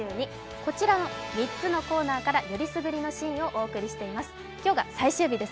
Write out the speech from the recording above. こちらの３つのコーナーから選りすぐりのシーンをお送りしています。